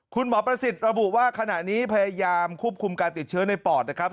ประสิทธิ์ระบุว่าขณะนี้พยายามควบคุมการติดเชื้อในปอดนะครับ